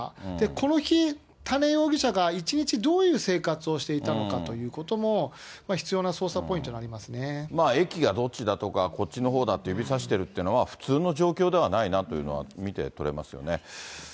この日、多禰容疑者が一日、どういう生活をしていたのかということも、必要な捜査ポイントに駅がどっちだとか、こっちのほうだと指さしているっていうのは、普通の状況ではないなというのは見て取れますよね。